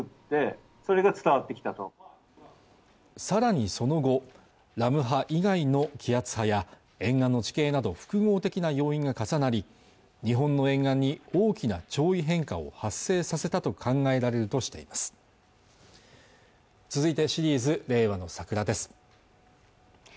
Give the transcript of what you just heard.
さらにその後ラム波以外の気圧差や沿岸の地形など複合的な要因が重なり日本の沿岸に大きな潮位変化を発生させたと考えられるとしています続いてシリーズ「令和のサクラ」です